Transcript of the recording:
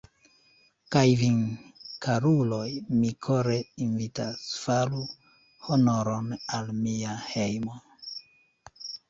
Kaj vin, karuloj, mi kore invitas, faru honoron al mia hejmo!